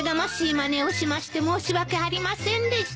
まねをしまして申し訳ありませんでした。